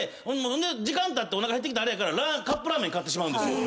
ほんで時間たっておなか減ってきたらあれやからカップラーメン買ってしまうんですよ。